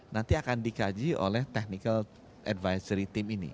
nanti akan dikaji oleh technical advisory team ini